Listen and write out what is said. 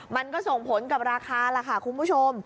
มันก็ส่งผลกับราคาล่ะค่ะคุณผู้ชม